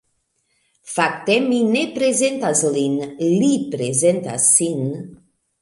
Fakte, mi ne prezentas lin, li prezentas sin.